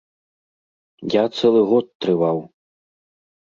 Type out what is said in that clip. Я цэлы год трываў.